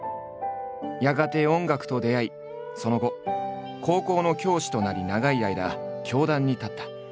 やがて音楽と出会いその後高校の教師となり長い間教壇に立った。